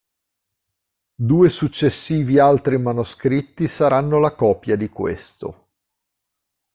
Due successivi altri manoscritti saranno la copia di questo.